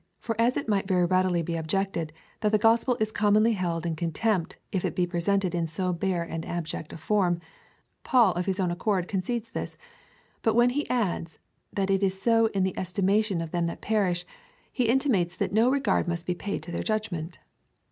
For as it might very readily be ob jected, that the gospel is commonly held in contem2:)t, if it be presented in so bare and abject a form, Paul of his own accord concedes this, but when he adds, that it is so in the estimation oi them that perish, he intimates that no regard must be paid to their judgment.